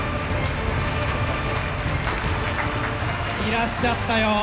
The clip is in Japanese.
いらっしゃったよ